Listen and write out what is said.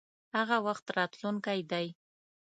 هغه وخت راتلونکی دی.